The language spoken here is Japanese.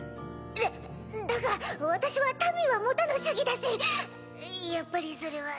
だだが私は民は持たぬ主義だしやっぱりそれはそその。